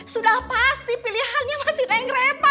sudah pasti pilihannya masih neng repa